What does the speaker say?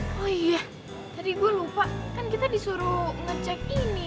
oh iya jadi gue lupa kan kita disuruh ngecek ini